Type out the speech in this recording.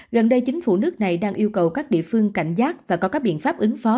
gần đây chính phủ nước này đang yêu cầu các địa phương cảnh giác và có các biện pháp ứng phó